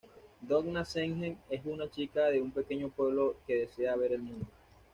Donna Jensen es una chica de un pequeño pueblo que desea ver el mundo.